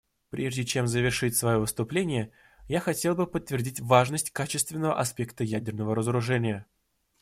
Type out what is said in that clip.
Прежде чем завершить свое выступление, я хотел бы подтвердить важность качественного аспекта ядерного разоружения.